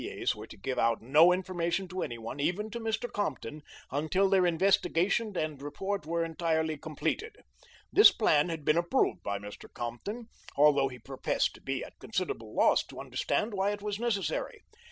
's were to give out no information to any one, even to Mr. Compton, until their investigation and report were entirely completed. This plan had been approved by Mr. Compton, although he professed to be at considerable loss to understand why it was necessary.